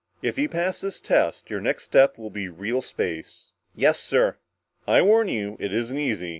If you pass this test, your next step is real space." "Yes, sir." "I warn you, it isn't easy.